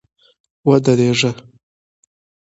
ودرېږه !